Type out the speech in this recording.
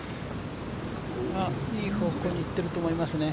いい方向にいってると思いますね。